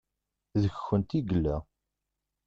Deg-kent i yella.